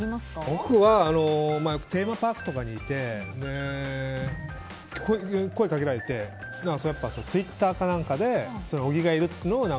僕はテーマパークとかに行って声掛けられてツイッターか何かで小木がいるってのを。